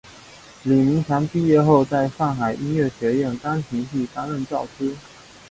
李名强毕业后在上海音乐学院钢琴系担任教师。